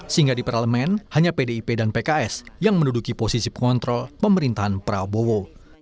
sehingga di parlemen hanya pdip dan pks yang menduduki posisi pengontrol pemerintahan prabowo